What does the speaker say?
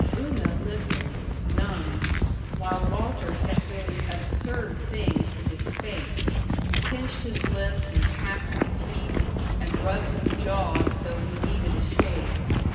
Una listened, numbed, while Walter kept doing absurd things with his face pinched his lips and tapped his teeth and rubbed his jaw as though he needed a shave.